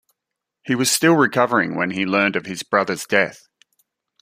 He was still recovering when he learned of his brother's death.